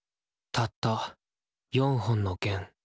たった４本の弦。